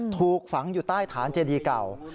ถูกฝังอยู่ใต้ฐานเจดีเก่า